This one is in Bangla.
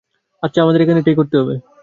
আচ্ছা, আমাদের এখানে এটাই করতে হবে।